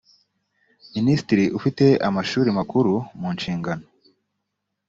minisitiri ufite amashuri makuru mu nshingano